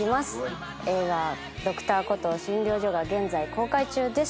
映画『Ｄｒ．コトー診療所』が現在公開中です。